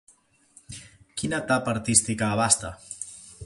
Quina etapa artística abasta?